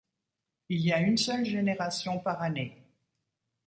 Il y a une seule génération par année.